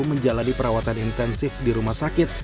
menjalani perawatan intensif di rumah sakit